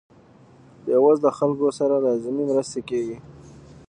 بې وزله خلکو سره لازمې مرستې کیږي.